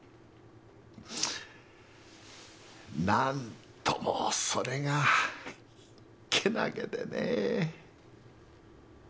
何ともそれがけなげでね。